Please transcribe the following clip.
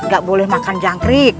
gak boleh makan jangkrik